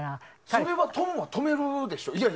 それは、トムは止めるでしょ。